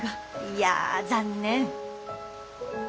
いや残念。